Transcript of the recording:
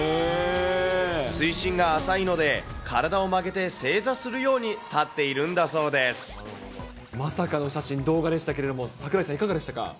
水深が浅いので、体を曲げて正座するように立っているんだそうでまさかの写真、動画でしたけれども、櫻井さん、いかがでしたか。